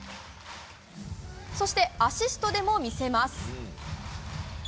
そして、アシストでも魅せます。